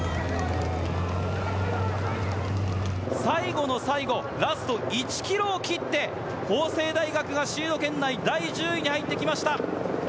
最後の最後ラスト１ｋｍを切って法政大学がシード圏内第１０位に入って来ました。